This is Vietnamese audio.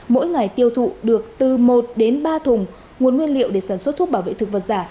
mỗi ngày tiêu thụ được từ một đến ba thùng nguồn nguyên liệu để sản xuất thuốc bảo vệ thực vật giả